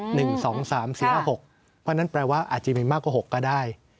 หนึ่งสองสามสี่ห้าหกเพราะฉะนั้นแปลว่าอาจจะไม่มากกว่าหกก็ได้